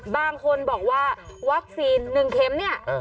บางคนบอกว่าวัคซีน๑เข็มเนี่ย